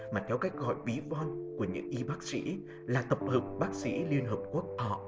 mà theo cách gọi bí von của những y bác sĩ là tập hợp bác sĩ liên hợp quốc